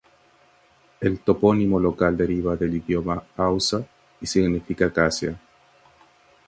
El topónimo local deriva del idioma hausa y significa "acacia".